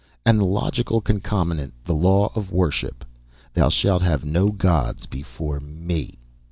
_ And the logical concomitant, the law of worship. _Thou shalt have no gods before Me.